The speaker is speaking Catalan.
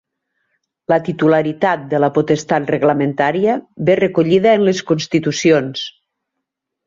La titularitat de la potestat reglamentària ve recollida en les constitucions.